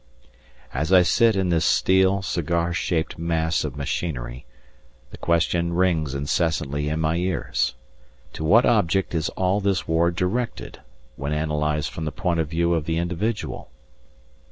As I sit in this steel, cigar shaped mass of machinery, the question rings incessantly in my ears: "To what object is all this war directed, when analysed from the point of view of the individual?"